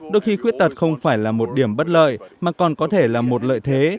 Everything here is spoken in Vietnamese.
đôi khi khuyết tật không phải là một điểm bất lợi mà còn có thể là một lợi thế